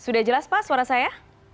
sudah jelas pak suara saya